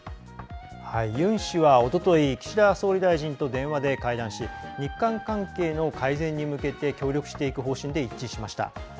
ユン氏はおととい岸田総理大臣と電話で会談し日韓関係の改善に向けて協力していく方針で一致しました。